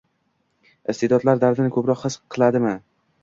Iste’dodlar dardni ko‘proq his qiladimi?